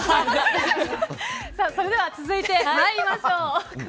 それでは続いて参りましょう。